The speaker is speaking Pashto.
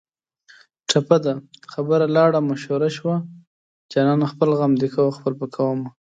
ټپه ده: خبره لاړه ماشوړه شوه جانانه خپل غم دې کوه خپل به کومه